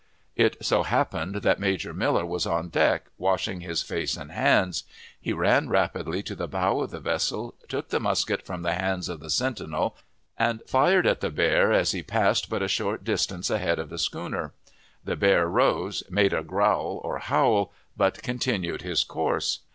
It so happened that Major Miller was on deck, washing his face and hands. He ran rapidly to the bow of the vessel, took the musket from the hands of the sentinel, and fired at the bear, as he passed but a short distance ahead of the schooner. The bear rose, made a growl or howl, but continued his course.